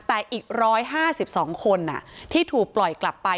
แต่อีก๑๕๒คนที่ถูกปล่อยกลับไป